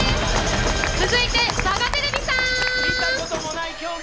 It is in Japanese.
続いて佐賀テレビさん。